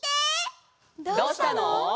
どうしたの？